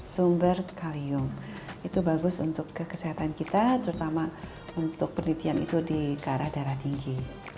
sumber kalium itu bagus untuk kesehatan kita terutama untuk penelitian itu di ke arah darah tinggi